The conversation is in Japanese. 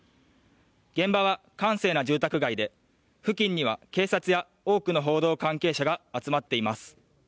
現場は閑静な住宅街で、付近には警察や多くの報道関係者が集まっています。